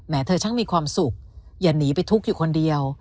เธอช่างมีความสุขอย่าหนีไปทุกข์อยู่คนเดียว